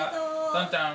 さんちゃん